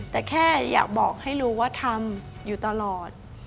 แต่แค่อยากบอกให้รู้ว่าทำอยู่ตลอด